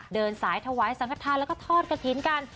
เดินสายถวายสังขทานแล้วก็ทอดกระถิ่นกัน